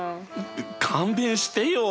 勘弁してよ！